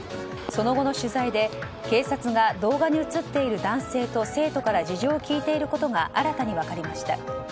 その後の取材で警察が動画に映っている男性と生徒から事情を聴いていることが新たに分かりました。